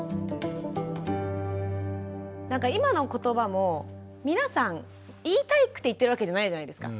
今の言葉も皆さん言いたくて言ってるわけじゃないじゃないですか。